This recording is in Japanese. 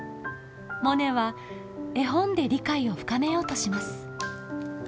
モネは絵本で理解を深めようとします。